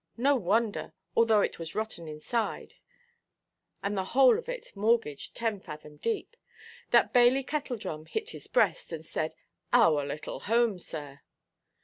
No wonder—although it was rotten inside, and the whole of it mortgaged ten fathom deep—that Bailey Kettledrum hit his breast, and said, "Our little home, sir!"